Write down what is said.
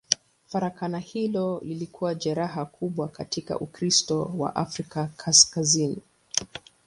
Farakano hilo lilikuwa jeraha kubwa katika Ukristo wa Afrika Kaskazini.